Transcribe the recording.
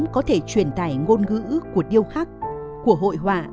có thể gúng ra immediate